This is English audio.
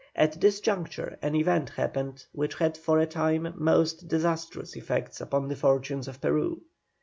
At this juncture an event happened which had for a time most disastrous effects upon the fortunes of Peru.